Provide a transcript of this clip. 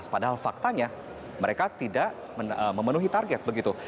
padahal faktanya mereka tidak memenuhi target begitu